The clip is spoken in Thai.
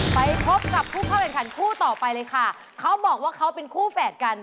ไปพบกับผู้เข้าแข่งขันคู่ต่อไปเลยค่ะเขาบอกว่าเขาเป็นคู่แฝดกัน